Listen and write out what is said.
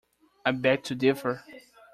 I beg to differ